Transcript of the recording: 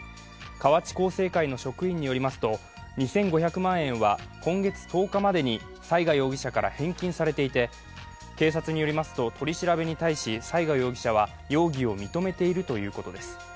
河内厚生会の職員によりますと２５００万円は今月１０日までに雑賀容疑者から返金されていて、警察によりますと、取り調べに対し雑賀容疑者は容疑を認めているということです。